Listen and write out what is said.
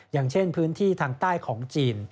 อย่างเช่นพื้นที่ทางใต้ของจีน